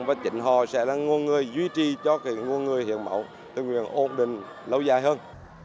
và chính họ sẽ là nguồn người duy trì cho nguồn người hiến máu tình nguyện ổn định lâu dài hơn